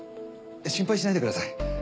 心配しないでください。